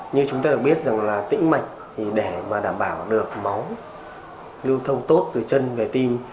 như chúng ta được biết rằng là tĩnh mạch để đảm bảo được máu lưu thông tốt từ chân về tim